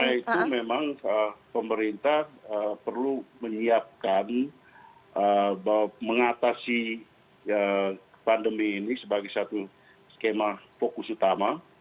karena itu memang pemerintah perlu menyiapkan bahwa mengatasi pandemi ini sebagai satu skema fokus utama